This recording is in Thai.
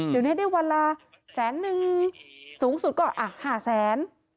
เดี๋ยวนี้ได้วันละแสนนึงสูงสุดก็๕แสน